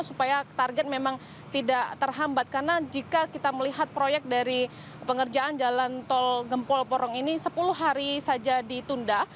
supaya target memang tidak terhambat karena jika kita melihat proyek dari pengerjaan jalan tol gempol porong ini sepuluh hari saja ditunda